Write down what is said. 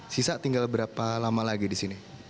sisa tinggal berapa lama lagi di sini